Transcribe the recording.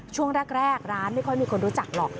ช่วงแรกร้านไม่ค่อยมีคนรู้จักหรอก